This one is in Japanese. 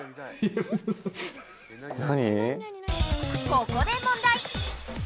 ここで問題！